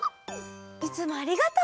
いつもありがとう！